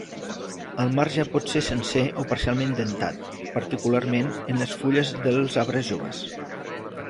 El marge pot ser sencer o parcialment dentat, particularment en les fulles dels arbres joves.